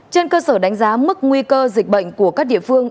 trên cơ sở đánh giá mức nguy cơ dịch bệnh của các địa phương